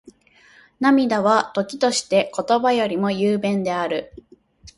涙は、時として言葉よりも雄弁である。